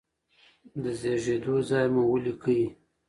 د زیږیدو ځای مو ولیکئ.